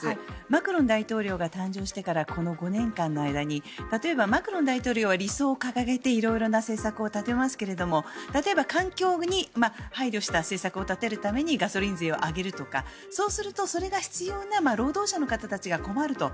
マクロン大統領が誕生してからこの５年間の間に例えばマクロン大統領は理想を掲げて色々な政策を立てますけれども例えば環境に配慮した政策を立てるためにガソリン税を上げるとかそうすると、それが必要な労働者の方たちが困ると。